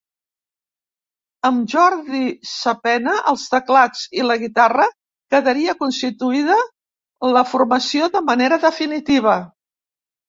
Amb Jordi Sapena als teclats i la guitarra quedaria constituïda la formació de manera definitiva.